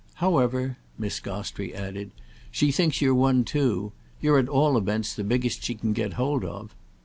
However," Miss Gostrey added, "she thinks you're one too. You're at all events the biggest she can get hold of."